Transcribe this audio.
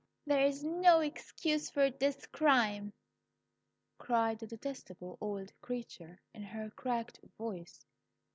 "'There is no excuse for this crime,' cried the detestable old creature, in her cracked voice.